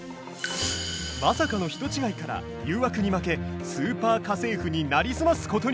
まさかの人違いから誘惑に負け「スーパー家政婦」になりすますことに。